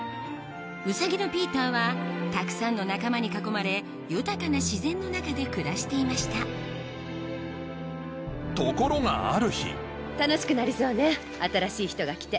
ウサギのピーターはたくさんの仲間に囲まれ豊かな自然の中で暮らしていましたところがある日楽しくなりそうね新しい人が来て。